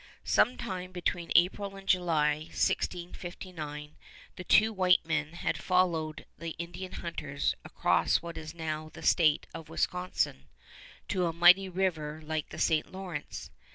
Sometime between April and July of 1659 the two white men had followed the Indian hunters across what is now the state of Wisconsin to "a mighty river like the St. Lawrence."